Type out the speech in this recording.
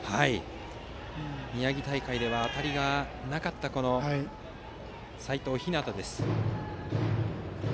宮城大会では当たりがなかった齋藤陽です。